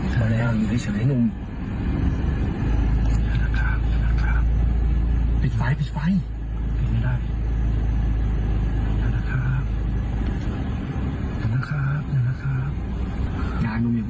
ก็มาเดินไปก่อนลักษณ์ตาลก่อน